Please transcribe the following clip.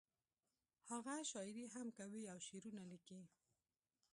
هغه شاعري هم کوي او شعرونه ليکي